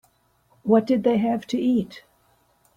What did they have to eat?